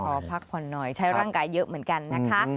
ขอพักผ่อนหน่อยใช้ร่างกายเยอะเหมือนกันนะคะ